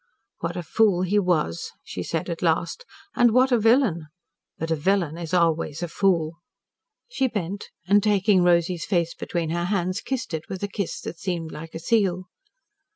"What a fool he was!" she said at last. "And what a villain! But a villain is always a fool." She bent, and taking Rosy's face between her hands, kissed it with a kiss which seemed like a seal.